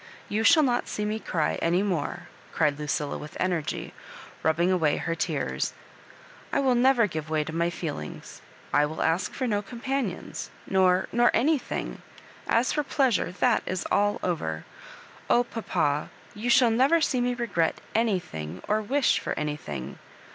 You shall not see me cry any more," cried Lucilla with energy, rubbing away her tears. *' I will never give way to my feel ings. I will ask for no companions — nor — nor anything. As for pleasure, that is all over. Oh, paoa, you shall never see me regret anything, or wish for anything.